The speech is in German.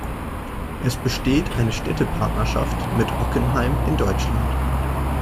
Es besteht eine Städtepartnerschaft mit Ockenheim in Deutschland.